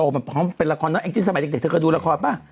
เขาเป็นละครนั่งเกือบดูละครประ